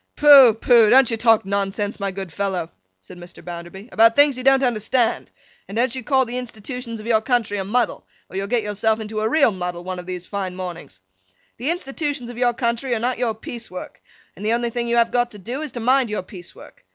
'Pooh, pooh! Don't you talk nonsense, my good fellow,' said Mr. Bounderby, 'about things you don't understand; and don't you call the Institutions of your country a muddle, or you'll get yourself into a real muddle one of these fine mornings. The institutions of your country are not your piece work, and the only thing you have got to do, is, to mind your piece work.